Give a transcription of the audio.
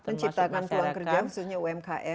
menciptakan peluang kerja khususnya umkm